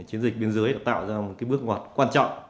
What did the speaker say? chiến dịch biên giới đã tạo ra một bước ngoặt quan trọng